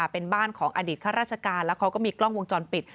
เป็นบ้านของอดีตข้าราชการแล้วเขาก็มีกล้องวงจรปิด